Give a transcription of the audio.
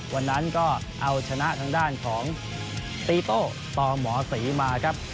วันนั้นก็เอาชนะทางด้านของตีโต้ตหมอศรีมาครับ